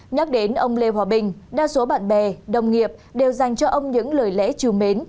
nhắc đến ông lê hòa bình đa số bạn bè đồng nghiệp đều dành cho ông những lời lẽ trù mến